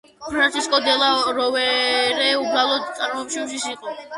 ფრანჩესკო დელა როვერე უბრალო წარმოშობის იყო.